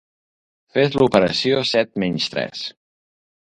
Fes l'operació set menys tres.